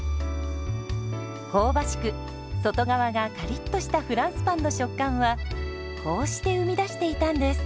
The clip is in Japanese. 香ばしく外側がカリッとしたフランスパンの食感はこうして生み出していたんです。